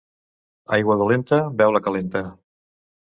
Aigua dolenta, beu-la calenta.